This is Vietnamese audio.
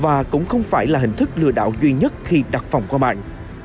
và cũng không phải là hình thức lừa đảo duy nhất khi đặt phòng qua mạng